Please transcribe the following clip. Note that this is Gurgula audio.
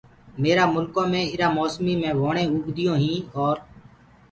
ميرآ مآلڪ ايٚرآ موسميٚ مي ووڻينٚ اوگديونٚ هينٚ اور